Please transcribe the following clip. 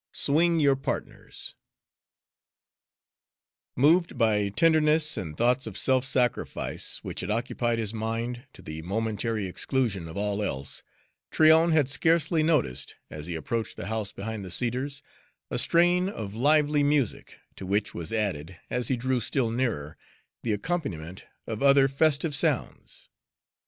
XXIV SWING YOUR PARTNERS Moved by tenderness and thoughts of self sacrifice, which had occupied his mind to the momentary exclusion of all else, Tryon had scarcely noticed, as he approached the house behind the cedars, a strain of lively music, to which was added, as he drew still nearer, the accompaniment of other festive sounds.